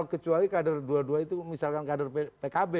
kecuali kader dua dua itu misalkan kader pkb